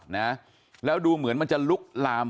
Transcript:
นะแล้วดูเหมือนมันจะลุกลาม